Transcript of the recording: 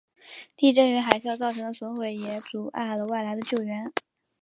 地震与海啸造成的损毁也阻碍了外来的救援。